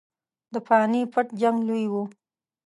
د پاني پټ جنګ لوی وو.